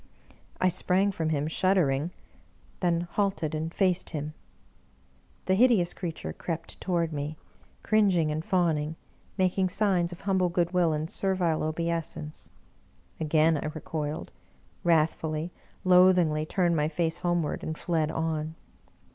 I sprang from him shuddering, then halted and faced him. The hideous jcreature crept toward me, cringing and fawning, making signs of humble goodwill and ser vile obeisance. Again I recoiled — ^wrathfully, loathingly, turned my face homeward, and fled on.